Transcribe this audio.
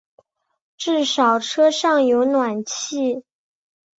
至少车上有暖气